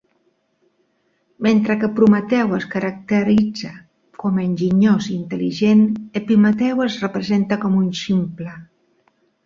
Mentre que Prometeu es caracteritza com enginyós i intel·ligent, Epimeteu es representa com un ximple.